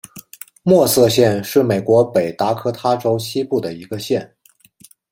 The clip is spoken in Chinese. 默瑟县是美国北达科他州西部的一个县。